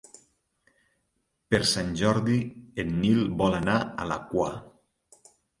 Per Sant Jordi en Nil vol anar a la Quar.